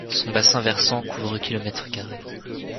Son bassin versant couvre kilomètres carrés.